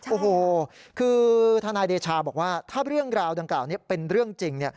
โอ้โหคือทนายเดชาบอกว่าถ้าเรื่องราวดังกล่าวนี้เป็นเรื่องจริง